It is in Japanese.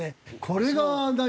これが何？